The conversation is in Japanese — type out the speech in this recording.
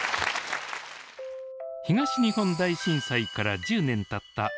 東日本大震災から１０年たった